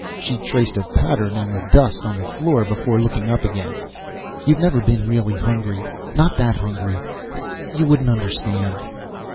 She traced a pattern on the dust of the floor, before looking up again. "You've never been really hungry! Not that hungry! You wouldn't understand."